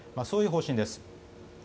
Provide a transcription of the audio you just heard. そういう方針です。